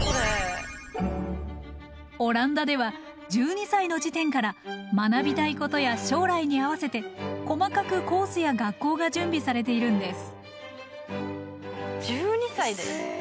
オランダでは１２歳の時点から学びたいことや将来に合わせて細かくコースや学校が準備されているんです。